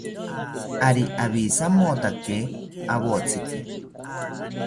Ari awijamotakae awotziki